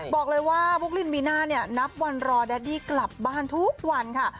บอกเลยว่าบุ๊กลินมีน่าเนี่ยนับวันรอแดดดี้กลับบ้านทุกวันค่ะ